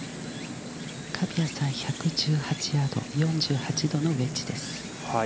神谷さん、１１８ヤード、４８度のウェッジです。